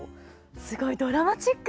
すごいドラマチック。